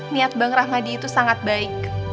niat bang rahmadi itu sangat baik